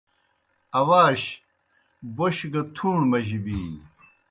اواش بوْش گہ تُھوݨ مجیْ بِینیْ۔